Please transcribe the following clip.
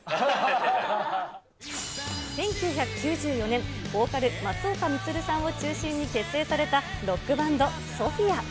１９９４年、ボーカル、松岡充さんを中心に結成されたロックバンド、ＳＯＰＨＩＡ。